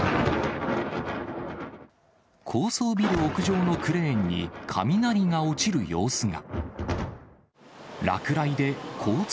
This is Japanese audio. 高層ビル屋上のクレーンに雷が落ちる様子が。